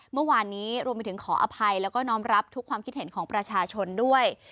เมื่อวานนี้รวมไปถึงขออภัยแล้วก็น้อมรับทุกความคิดเห็นของประชาชนด้วย